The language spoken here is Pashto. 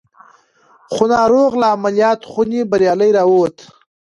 خو ناروغ له عملیات خونې بریالی را وووت